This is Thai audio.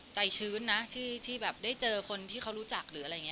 ใจชื้นนะที่ได้เจอคนที่เขารู้จัก